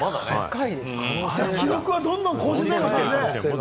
記録はどんどん更新できますね。